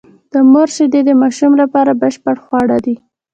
د مور شېدې د ماشوم لپاره بشپړ خواړه دي.